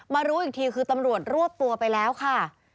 รู้อีกทีคือตำรวจรวบตัวไปแล้วค่ะ